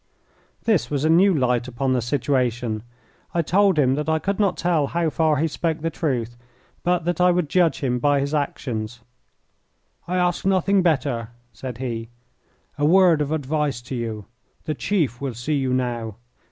This was a new light upon the situation. I told him that I could not tell how far he spoke the truth, but that I would judge him by his actions. "I ask nothing better," said he. "A word of advice to you! The chief will see you now.